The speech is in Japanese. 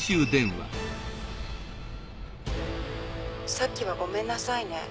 さっきはごめんなさいね。